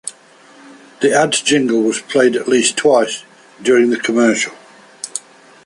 The ads' jingle was played at least twice during the commercial.